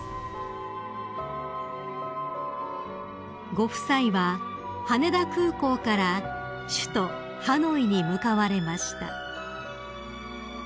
［ご夫妻は羽田空港から首都ハノイに向かわれました］